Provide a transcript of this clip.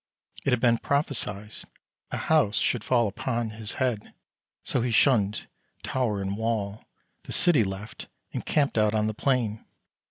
It had been prophesied a house should fall Upon his head, so he shunned tower and wall, The city left, and camped out on the plain.